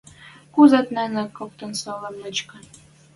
Кузат нӹнӹ коктын сола мычкы